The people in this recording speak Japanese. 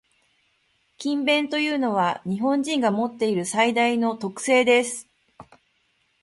「勤勉」というのは、日本人が持っている最大の特性です。